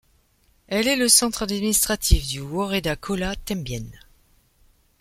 Elle est le centre administratif du woreda Kola Tembien.